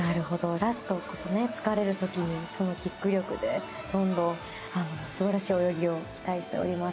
ラスト、疲れる時にそのキック力で、どんどん素晴らしい泳ぎを期待しております。